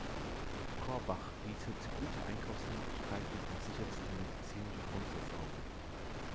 Korbach bietet gute Einkaufsmöglichkeiten und sichert die medizinische Grundversorgung.